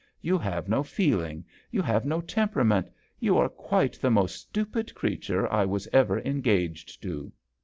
You have no feeling; you have no temperament ; you are quite the most stupid creature I was ever engaged to."